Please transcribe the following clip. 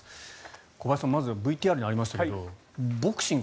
小林さん、まずＶＴＲにありましたけどボクシング